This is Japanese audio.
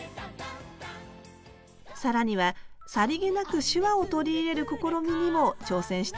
更にはさりげなく手話を取り入れる試みにも挑戦しています。